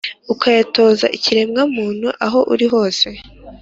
ukayatoza ikiremwa-muntu aho uli hose